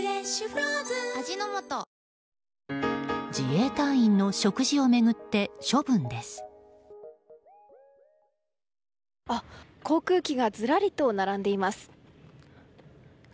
自衛隊員の食事を巡って航空機がずらりと並んでいます。